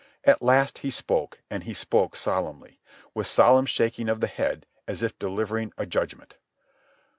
At last he spoke, and he spoke solemnly, with solemn shaking of the head, as if delivering a judgment.